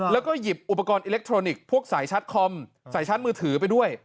แล้วก็หยิบอุปกรณ์อิเล็กทรอนิกส์พวกสายชาร์จคอมสายชาร์จมือถือไปด้วย